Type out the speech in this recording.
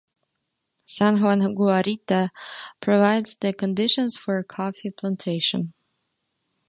San Juan Guarita provides the conditions for coffee plantation.